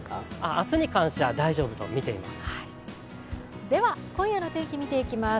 明日に関しては大丈夫とみています。